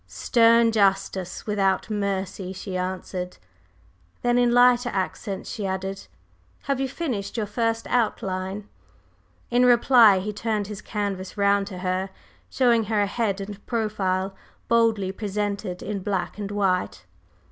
"Stern justice without mercy!" she answered; then in lighter accents she added: "Have you finished your first outline?" In reply, he turned his canvas round to her, showing her a head and profile boldly presented in black and white.